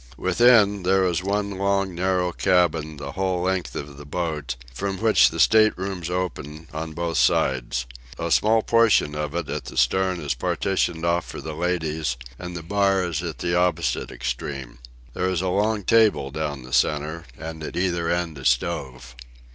Within, there is one long narrow cabin, the whole length of the boat; from which the state rooms open, on both sides. A small portion of it at the stern is partitioned off for the ladies; and the bar is at the opposite extreme. There is a long table down the centre, and at either end a stove.